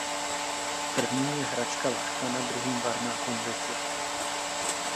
Prvním je hračka lachtana, druhým varná konvice.